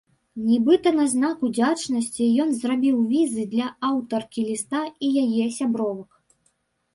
Нібыта на знак удзячнасці ён зрабіў візы для аўтаркі ліста і яе сябровак.